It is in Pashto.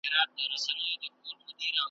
د غریب غاښ په حلوا کي خېژي ,